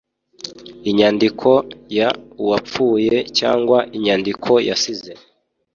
inyandiko y uwapfuye cyangwa inyandiko yasize